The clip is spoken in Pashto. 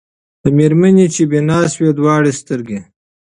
د مېرمني چي بینا سوې دواړي سترګي